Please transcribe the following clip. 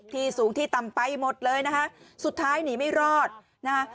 ที่สูงที่ต่ำไปหมดเลยนะคะสุดท้ายหนีไม่รอดนะฮะ